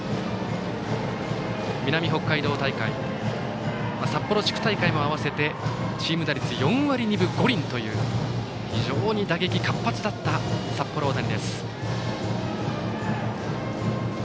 南北海道大会札幌地区大会も合わせてチーム打率４割２分５厘という非常に打撃活発だった札幌大谷。